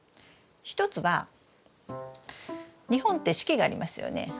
１つは日本って四季がありますよね。